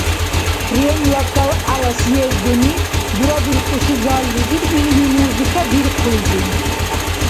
Кремльла КӀялгӀяла съездуни дурадуркӀуси заллизир илини музыка дирхъулри.